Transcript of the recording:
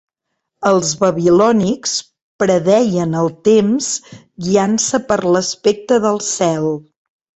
Els babilònics predeien el temps guiant-se per l'aspecte del cel.